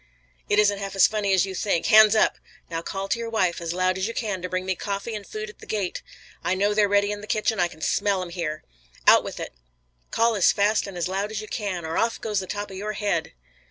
"It isn't half as funny as you think. Hands up! Now call to your wife as loud as you can to bring me coffee and food at the gate! I know they're ready in the kitchen. I can smell 'em here. Out with it, call as fast as and as loud as you can, or off goes the top of your head!"